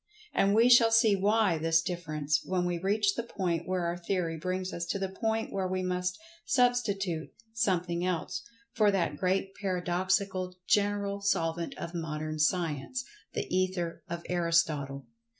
And we shall see why this difference, when we reach the point where our theory brings us to the point where we must substitute "something else" for that Great Paradoxical General Solvent of Modern Science—the Ether of Aristotle.